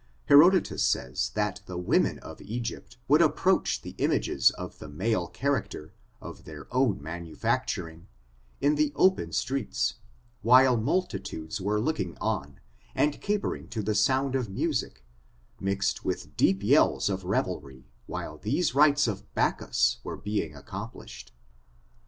Herodotus says, that the women of Egypt would approach the images of the male character, of their own manufacturing, in the open streets, while multi tudes were looking on, and capering to the sound of music, mixed with deep yells of revelry, while these rites of Bacchus were being accomplished.